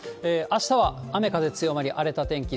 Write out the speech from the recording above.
あしたは雨風強まり荒れた天気。